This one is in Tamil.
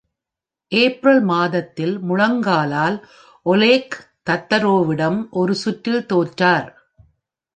ஏப்ரல் மாதத்தில், முழங்காலால் ஒலெக் தக்தரோவிடம் ஒரு சுற்றில் தோற்றார்.